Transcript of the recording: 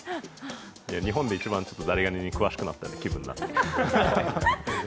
日本で一番ザリガニに詳しくなった気分に。